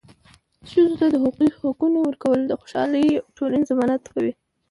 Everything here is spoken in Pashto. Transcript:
ښځو ته د هغوي حقونه ورکول د خوشحاله ټولنې ضمانت کوي.